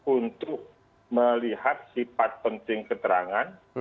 untuk melihat sifat penting keterangan